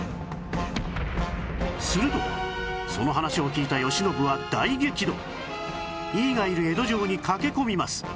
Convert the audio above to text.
するとその話を聞いた井伊がいる江戸城に駆け込みます